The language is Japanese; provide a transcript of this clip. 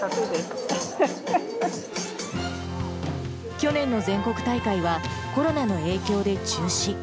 去年の全国大会はコロナの影響で中止。